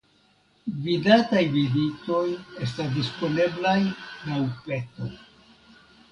Gvidataj vizitoj estas disponeblaj laŭ peto.